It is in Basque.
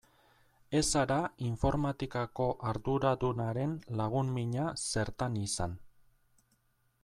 Ez zara informatikako arduradunaren lagun mina zertan izan.